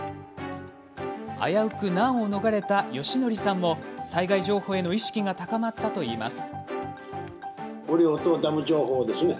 危うく難を逃れた芳徳さんも災害情報への意識が高まったといいます。